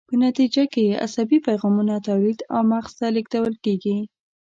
په نتیجه کې یې عصبي پیغامونه تولید او مغز ته لیږدول کیږي.